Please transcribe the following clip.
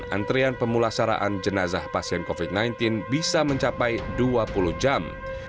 antrean pemulasaraan jenazah pasien covid sembilan belas bisa mencapai dua puluh jam